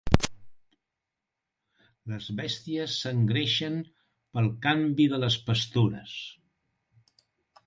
Les bèsties s'engreixen pel canvi de les pastures